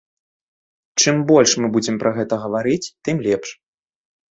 Чым больш мы будзем пра гэта гаварыць, тым лепш.